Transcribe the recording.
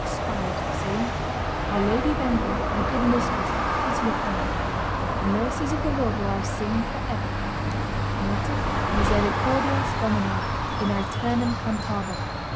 expired, saying, "Our Lady of Embrun, my good mistress, have pity upon me; the mercies of the Lord will I sing forever (misericordias Domini in ceternum cantabo)."